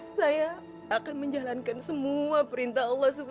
saya akan menjalankan semua perintah allah swt